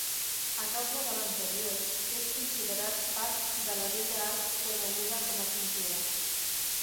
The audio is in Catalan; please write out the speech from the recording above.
A causa de l'anterior, és considerat part de la bella art coneguda com a pintura.